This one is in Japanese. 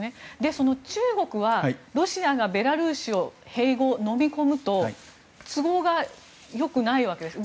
その中国は、ロシアがベラルーシを併合すると都合が良くないわけですよね。